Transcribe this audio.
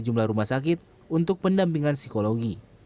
sejumlah rumah sakit untuk pendampingan psikologi